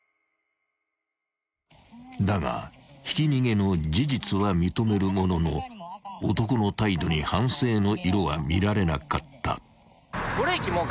［だがひき逃げの事実は認めるものの男の態度に反省の色は見られなかった］